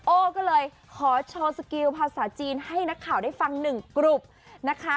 โอ้ก็เลยขอโชว์สกิลภาษาจีนให้นักข่าวได้ฟังหนึ่งกลุ่มนะคะ